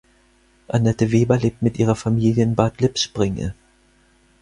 Annette Weber lebt mit ihrer Familie in Bad Lippspringe.